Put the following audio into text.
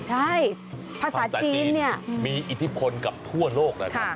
ใช่ภาษาจีนเนี่ยมีอิทธิพลกับทั่วโลกนะครับ